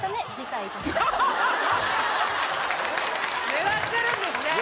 狙ってるんですね・